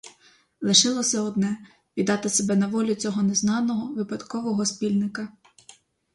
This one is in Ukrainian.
Лишилося одне: віддати себе на волю цього незнаного, випадкового спільника.